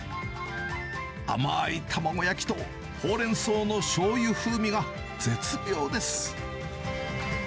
甘い卵焼きとホウレンソウのしょうゆ風味が絶妙です。